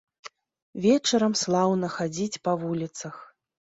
Вечарам слаўна хадзіць па вуліцах.